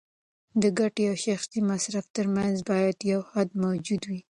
د ګټې او شخصي مصرف ترمنځ باید یو حد موجود وي.